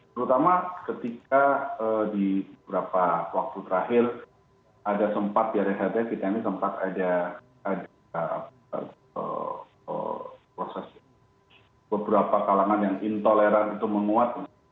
terutama ketika di beberapa waktu terakhir ada sempat di rshtag kita ini sempat ada proses beberapa kalangan yang intoleran itu menguat